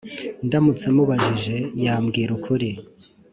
ndamutse mubajije, yambwira ukuri.